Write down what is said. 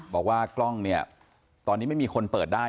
บอกว่ากล้องเนี่ยตอนนี้ไม่มีคนเปิดได้